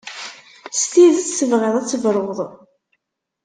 S tidet tebɣiḍ ad tebruḍ?